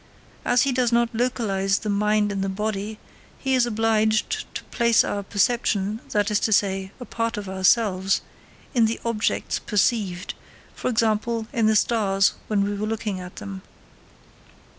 As he does not localise the mind in the body, he is obliged to place our perception that is to say, a part of ourselves in the objects perceived; for example, in the stars when we are looking at them.